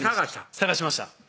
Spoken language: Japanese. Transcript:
捜しました